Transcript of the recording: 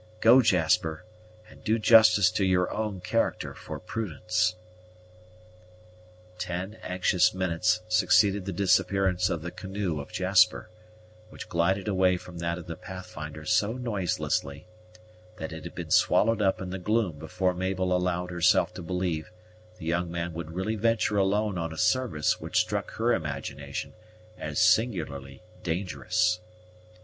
Go, Jasper, and do justice to your own character for prudence." Ten anxious minutes succeeded the disappearance of the canoe of Jasper, which glided away from that of the Pathfinder so noiselessly, that it had been swallowed up in the gloom before Mabel allowed herself to believe the young man would really venture alone on a service which struck her imagination as singularly dangerous.